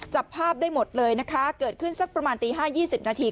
จับภาพได้หมดเลยนะคะเกิดขึ้นสักประมาณตีห้ายี่สิบนาที